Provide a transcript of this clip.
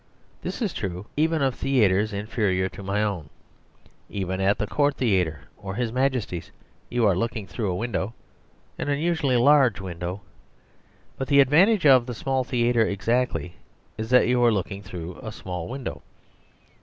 This is true even of theatres inferior to my own; even at the Court Theatre or His Majesty's you are looking through a window; an unusually large window. But the advantage of the small theatre exactly is that you are looking through a small window.